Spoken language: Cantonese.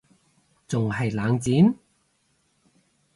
仲係冷戰????？